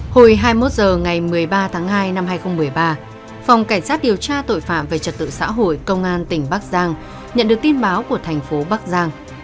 hồi hai mươi một h ngày một mươi ba tháng hai năm hai nghìn một mươi ba phòng cảnh sát điều tra tội phạm về trật tự xã hội công an tỉnh bắc giang nhận được tin báo của thành phố bắc giang